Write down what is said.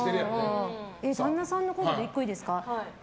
旦那さんのことで１個いいですか？